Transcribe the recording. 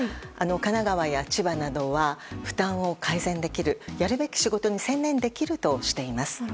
神奈川や千葉などは負担を改善できるやるべき仕事に専念できるとしています。